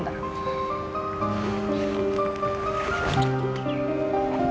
ya udah gue ngasih